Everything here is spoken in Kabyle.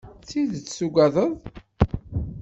D tidet ay tuggaded?